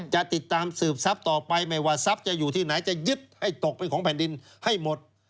จะติดตามสืบทรัพย์ต่อไปไม่ว่าทรัพย์จะอยู่ที่ไหนจะยึดให้ตกเป็นของแผ่นดินให้หมด